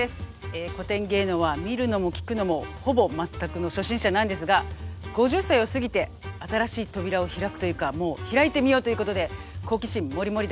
古典芸能は見るのも聴くのもほぼ全くの初心者なんですが５０歳を過ぎて新しい扉を開くというかもう開いてみようということで好奇心モリモリでございます。